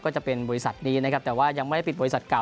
ก็จะเป็นบริษัทดีนะครับแต่ว่ายังไม่ได้ปิดบริษัทเก่า